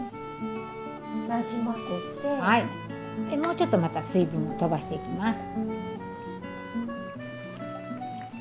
でもうちょっとまた水分をとばしていきます。